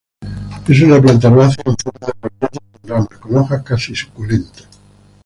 Es una planta herbácea en forma de roseta sin ramas, con hojas casi suculentas.